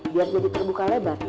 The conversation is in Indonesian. biar jadi terbuka lebar